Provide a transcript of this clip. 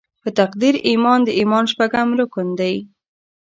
په تقدیر ایمان د ایمان شپږم رکن دې.